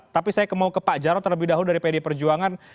tapi saya mau ke pak jarod terlebih dahulu dari pd perjuangan